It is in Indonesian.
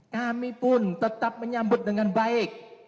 kami pun tetap menyambut dengan baik